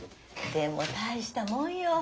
でも大したもんよ。